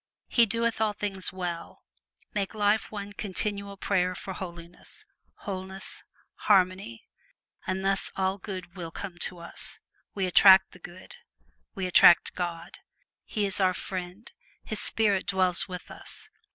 He doeth all things well. Make life one continual prayer for holiness wholeness harmony; and thus all good will come to us we attract the good; we attract God He is our friend His spirit dwells with us.